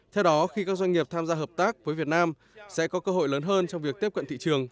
theo đó khi các doanh nghiệp tham gia hợp tác với việt nam sẽ có cơ hội lớn hơn trong việc tiếp cận thị trường